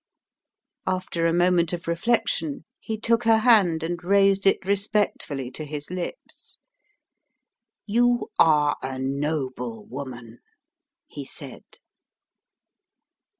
After a moment of reflection he took her hand and raised it respectfully to his lips. "You are a noble woman!" he said.